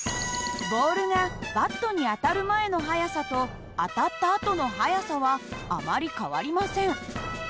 ボールがバットに当たる前の速さと当たったあとの速さはあまり変わりません。